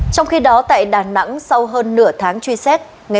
trong khi đó tại đà nẵng sau hơn nửa tháng truy xét